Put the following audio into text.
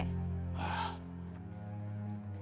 ya kita sendiri juga gak tahu kan kek